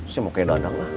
saya mau ke dadang lah